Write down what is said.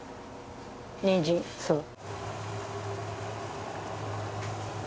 にんじんそう。